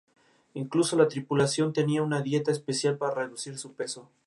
Incluso la tripulación tenía una dieta especial para reducir su peso.